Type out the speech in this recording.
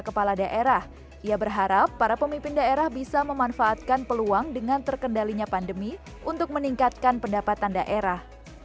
kepala daerah ia berharap para pemimpin daerah bisa memanfaatkan peluang dengan terkendalinya pandemi untuk meningkatkan pendapatan daerah